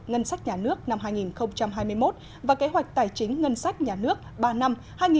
ngân sách nhà nước năm hai nghìn hai mươi một và kế hoạch tài chính ngân sách nhà nước ba năm hai nghìn hai mươi một hai nghìn hai mươi